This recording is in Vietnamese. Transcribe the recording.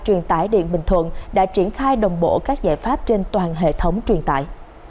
truyền tải điện bình thuận đã triển khai đồng bộ các giải pháp trên toàn hệ thống truyền tải